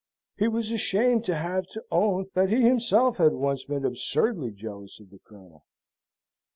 He was ashamed to have to own that he himself had been once absurdly jealous of the Colonel.